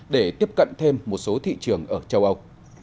để tiếp cận thêm một số thị trường ở châu âu